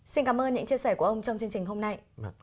xin cảm ơn những chia sẻ của ông trong chương trình hôm nay